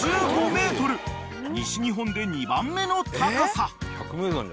［西日本で２番目の高さ］